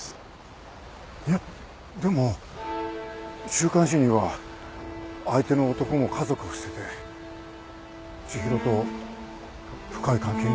いやでも週刊誌には相手の男も家族を捨てて千尋と深い関係になったって。